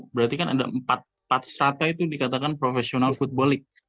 berarti kan ada empat strata itu dikatakan profesional football league